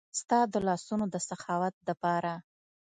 ستا د لاسونو د سخاوت د پاره